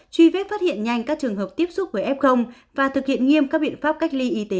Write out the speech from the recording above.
truy vết phát hiện nhanh các trường hợp tiếp xúc với f và thực hiện nghiêm các biện pháp cách ly y tế